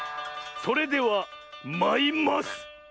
それではまいます！